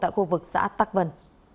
khu vực xã tắc vân